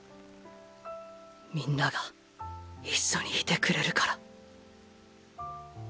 皆が一緒にいてくれるから。